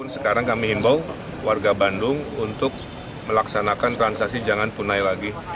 sekarang kami himbau warga bandung untuk melaksanakan transaksi jangan tunai lagi